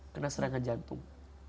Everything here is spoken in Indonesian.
kena serangan jantung